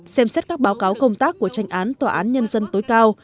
xem xét các báo cáo công tác của tranh án tòa án nhân dân tối cao